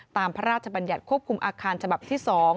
พระราชบัญญัติควบคุมอาคารฉบับที่๒